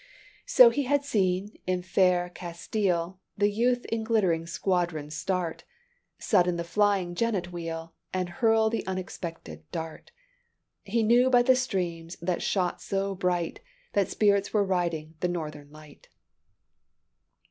So had he seen, in fair Castile, The youth in glittering squadrons start, Sudden the flying jennet wheel, And hurl the unexpected dart. He knew by the streams that shot so bright, That spirits were riding the Northern light."